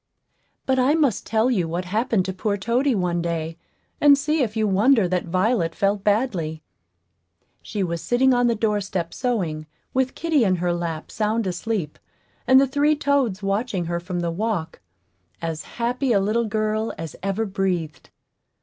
But I must tell you what happened to poor Toady one day, and see if you wonder that Violet felt badly. She was sitting on the doorstep sewing, with kitty in her lap, sound asleep, and the three toads watching her from the walk as happy a little girl as ever breathed.